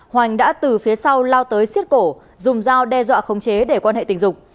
hoành đã từ phía sau lao tới xiết cổ dùng dao đe dọa khống chế để quan hệ tình dục